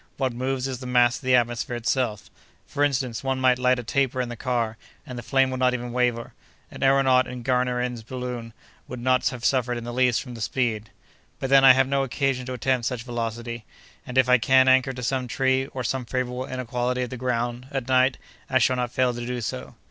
What moves is the mass of the atmosphere itself: for instance, one may light a taper in the car, and the flame will not even waver. An aëronaut in Garnerin's balloon would not have suffered in the least from the speed. But then I have no occasion to attempt such velocity; and if I can anchor to some tree, or some favorable inequality of the ground, at night, I shall not fail to do so.